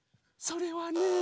それはね。